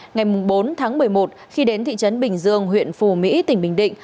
ngày bốn tháng một mươi một khi đến thị trấn bình dương huyện phù mỹ tỉnh bình định